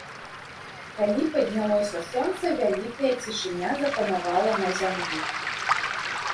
Калі паднялося сонца, вялікая цішыня запанавала на зямлі.